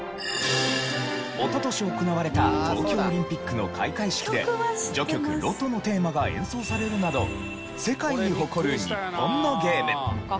一昨年行われた東京オリンピックの開会式で『序曲：ロトのテーマ』が演奏されるなど世界に誇る日本のゲーム。